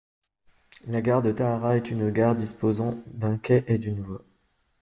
La gare de Tahara est une gare disposant d'un quai et d'une voie.